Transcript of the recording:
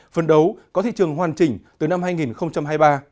phân đấu có thị trường hoàn chỉnh từ năm hai nghìn hai mươi ba